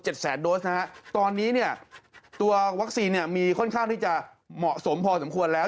ก็กับ๗๐๐โดซนะครับตอนนี้ตัววัคซีนมีค่อนข้างที่จะเหมาะสมพอสมควรแล้ว